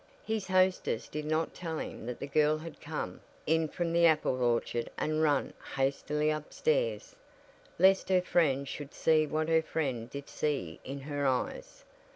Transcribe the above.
His hostess did not tell him that the girl had come in from the apple orchard and run hastily upstairs, lest her friend should see what her friend did see in her eyes.